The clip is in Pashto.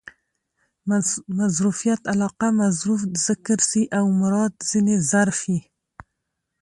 مظروفیت علاقه؛ مظروف ذکر سي او مراد ځني ظرف يي.